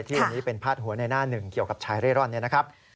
ที่วันนี้เป็นพาดหัวในหน้าหนึ่งเกี่ยวกับชายเร่ร่อนเนี่ยนะครับ